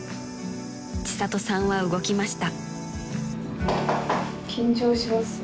［千里さんは動きました］